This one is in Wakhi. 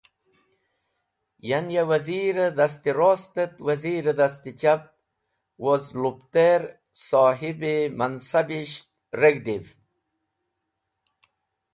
Yan ya wazir-e dast-e rost et wazir-e dast-e chap woz lupter sohib-e mansabish reg̃hdi’v.